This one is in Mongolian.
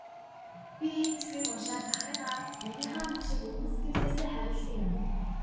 Би энэ хэсгийг уншаад ахыгаа, ангийнхаа багшийг үнэн сэтгэлээсээ хайрласан юм.